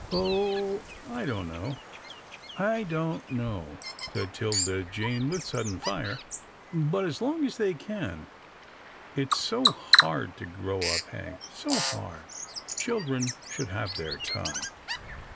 " Oh, I don't know — I don't know," said 'Tilda Jane with sudden fire, but as long as they can. It's so hard to grow up. Hank, so hard. Children should have their time."